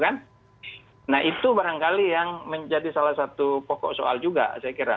nah itu barangkali yang menjadi salah satu pokok soal juga saya kira